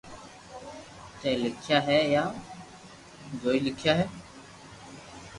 ٿي لکيا ھي يا جوئي لکيا ھي